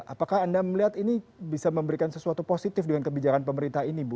apakah anda melihat ini bisa memberikan sesuatu positif dengan kebijakan pemerintah ini bu